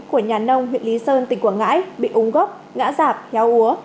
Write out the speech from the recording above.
của nhà nông huyện lý sơn tỉnh quảng ngãi bị ống gốc ngã giảp héo úa